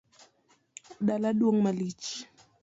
Dala duong’ malich